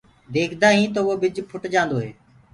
ديکدآ هين تو وو ٻج ڦٽ جآندو هي